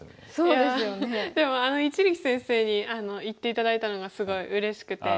いやでも一力先生に言って頂いたのがすごいうれしくて。